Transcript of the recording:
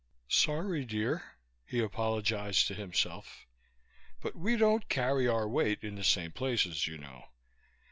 "Sorry, dear," he apologized to himself, "but we don't carry our weight in the same places, you know.